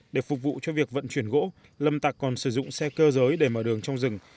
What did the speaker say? để phục vụ cho việc vận chuyển gỗ lâm tạc còn sử dụng xe cơ giới để mở đường trong rừng